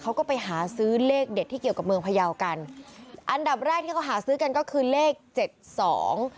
เขาก็ไปหาซื้อเลขเด็ดที่เกี่ยวกับเมืองพยาวกันอันดับแรกที่เขาหาซื้อกันก็คือเลขเจ็ดสอง